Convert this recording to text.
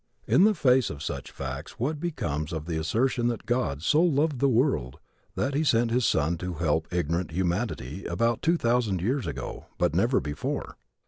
In the face of such facts what becomes of the assertion that God so loved the world that he sent His Son to help ignorant humanity about two thousand years ago but never before?